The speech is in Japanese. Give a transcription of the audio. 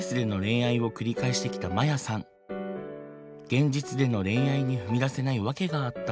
現実での恋愛に踏み出せない訳があった。